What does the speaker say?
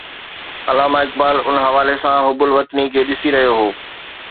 علامه اقبال ان حوالي سان حب الوطني کي ڏسي رهيو هو.